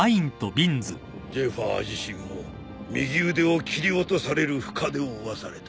ゼファー自身も右腕を斬り落とされる深手を負わされた。